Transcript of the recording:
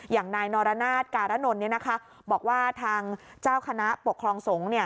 อย่างนายนรนาศการนลบอกว่าทางเจ้าคณะปกครองสงฆ์